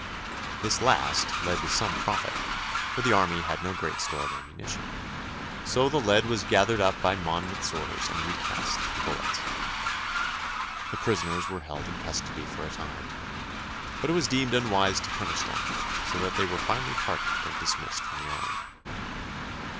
This last led to some profit, for the army had no great store of ammunition, so the lead was gathered up by Monmouth's orders and recast into bullets. The prisoners were held in custody for a time, but it was deemed unwise to punish them, so that they were finally pardoned and dismissed from the army.